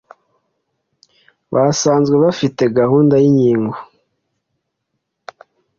basanzwe bafite gahunda y'inkingo